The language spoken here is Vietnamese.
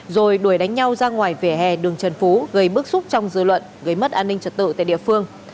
rồi đuổi đánh nhau ra ngoài vỉa hè đường trần phú gây bức xúc trong dư luận gây mất an ninh trật tự tại địa phương